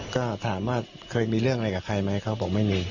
ก็ถามว่าเคยมีเรื่องอะไรกับใครไหมเขาบอกไม่มี